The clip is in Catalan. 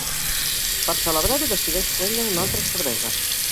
Per celebrar-ho decideix prendre una altra cervesa.